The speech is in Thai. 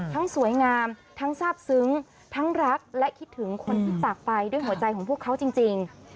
สวยงามทั้งทราบซึ้งทั้งรักและคิดถึงคนที่จากไปด้วยหัวใจของพวกเขาจริง